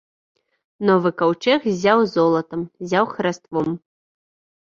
Новы каўчэг ззяў золатам, ззяў хараством.